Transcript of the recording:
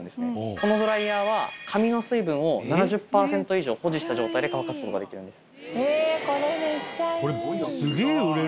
このドライヤーは髪の水分を７０％以上保持した状態で乾かすことができるんです。